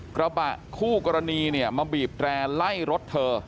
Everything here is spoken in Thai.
กระบะคู่กรณีเนี่ยมาบีบแร่ไล่รถเธอ